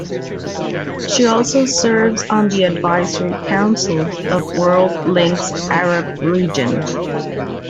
She also serves on the Advisory Council of World Links Arab Region.